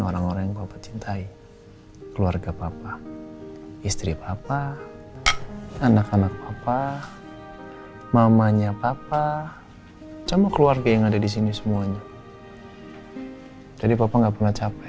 orang orang yang bapak cintai keluarga papa istri papa anak anak apa mamanya papa sama keluarga yang ada di sini semuanya jadi papa nggak pernah capek